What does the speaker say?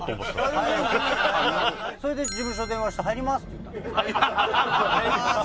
それで事務所に電話して「入ります！」って言ったの。